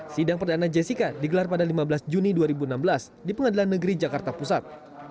sidang perdana jessica digelar pada lima belas juni dua ribu enam belas di pengadilan negeri jakarta pusat